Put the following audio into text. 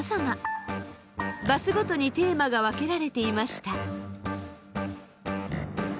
バスごとにテーマが分けられていました。